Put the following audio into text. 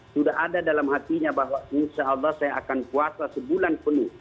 sudah ada dalam hatinya bahwa insya allah saya akan puasa sebulan penuh